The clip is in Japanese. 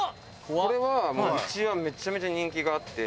これはもううちはめちゃめちゃ人気があって。